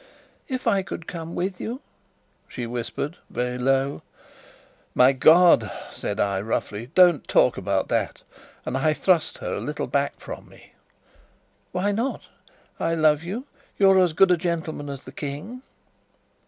"If I could come with you!" she whispered very low. "My God!" said I roughly, "don't talk about that!" and I thrust her a little back from me. "Why not? I love you. You are as good a gentleman as the King!"